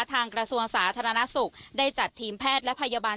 กระทรวงสาธารณสุขได้จัดทีมแพทย์และพยาบาล